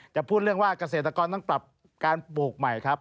จะพูดเรื่องว่าเกษตรกรต้องปรับการปลูกใหม่ครับ